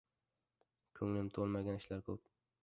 Ko‘nglim to‘lmagan ishlar ko‘p.